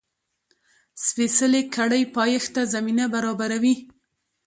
سپېڅلې کړۍ پایښت ته زمینه برابروي.